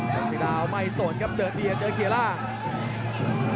เชดาวไม่ส่วนครับเดินทีจะเจอเขียร่าง